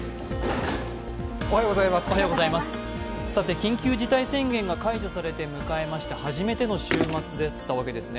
緊急事態宣言が解除されまして初めての週末だったわけですね。